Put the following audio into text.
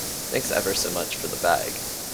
Thanks ever so much for the bag.